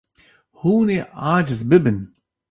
Hûn ê aciz bibin.